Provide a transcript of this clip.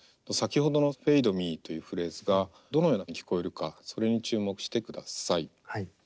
先ほどのｆａｄｅｍｅというフレーズがどのように聞こえるかそれに注目してください。